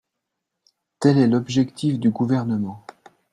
Tel est l’objectif du Gouvernement.